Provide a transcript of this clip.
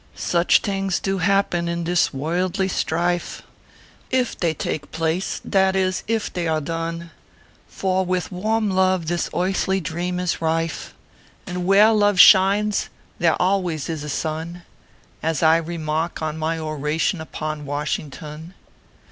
Such things do happen in this worldly strife, If they take place that is, if they are done ; For with warm love this earthly dream is rife And where love shines there always is a sun As I remark in my Oration upon Washington.